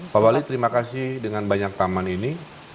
pak wali terima kasih dengan banyak taman ini